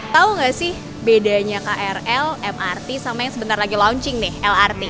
tahu nggak sih bedanya krl mrt sama yang sebentar lagi launching nih lrt